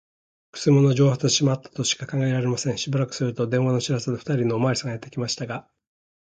くせ者は蒸発してしまったとしか考えられません。しばらくすると、電話の知らせで、ふたりのおまわりさんがやってきましたが、